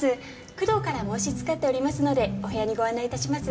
工藤から申しつかっておりますのでお部屋にご案内いたします。